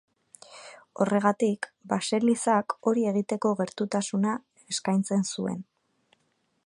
Horregatik, baselizak hori egiteko gertutasuna eskaintzen zuen.